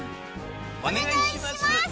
お願いします。